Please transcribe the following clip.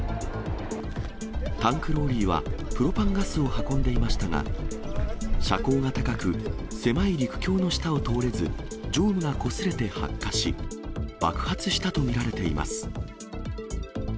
タンクローリーはプロパンガスを運んでいましたが、車高が高く、狭い陸橋の下を通れず、上部がこすれて発火し、爆発したと見られています。